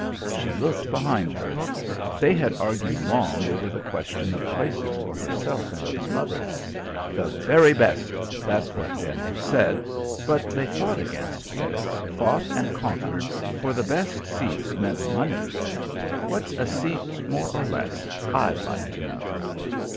She looked behind her they had argued long over the question of places for herself and his mother. "The very best," that's what Ben had said; but they fought against this, fought and conquered, for the best seats meant money. "What's a seat more or less, I'd like to know?"